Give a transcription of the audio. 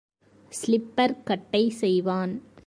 Slipper கட்டை செய்வான்.